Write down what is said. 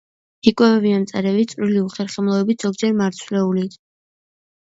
იკვებებიან მწერებით, წვრილი უხერხემლოებით, ზოგჯერ მარცვლეულით.